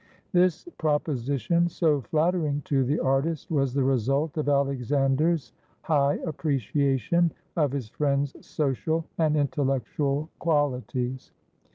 This proposition, so flattering to the artist, was the result of Alexander's high appreciation of his friend's social and intellectual quahties.